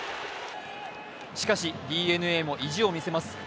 しかし、ＤｅＮＡも意地を見せます。